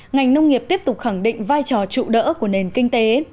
ngành nông nghiệp tiếp tục khẳng định vai trò trụ đỡ của nền kinh tế